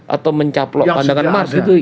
atau mencaplok pandangan emas gitu